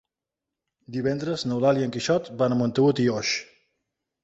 Divendres n'Eulàlia i en Quixot van a Montagut i Oix.